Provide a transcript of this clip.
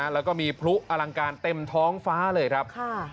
แล้วก็มีพลุอลังการเต็มท้องฟ้าเลยครับ